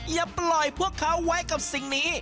อย่าปล่อยพวกเขาไว้กับสิ่งนี้